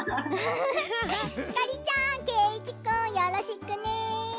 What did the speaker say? ひかりちゃんけいいちくんよろしくね。